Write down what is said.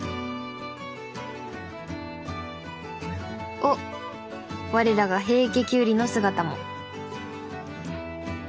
おっ我らが平家キュウリの姿も。